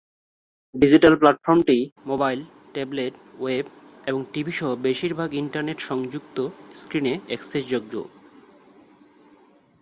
Digital প্ল্যাটফর্মটি mobile, tablet, web এবং TV সহ বেশিরভাগ ইন্টারনেট-সংযুক্ত স্ক্রিনে অ্যাক্সেসযোগ্য।